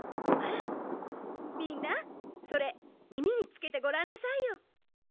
あらみんなそれみみにつけてごらんなさいよ。